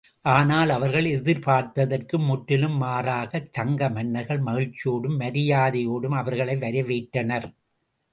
ஆனால், அவர்கள் எதிர்பார்த்ததற்கு முற்றிலும் மாறாகச் சங்க மன்னர்கள் மகிழ்ச்சியோடும் மரியாதையோடும் அவர்களை வரவேற்றனர்.